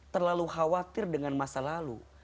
hanya mengkhawatir dengan masa lalu